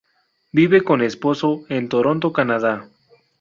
Vive con esposo en Toronto, Canadá.